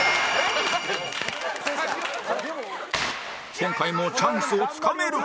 今回もチャンスをつかめるか？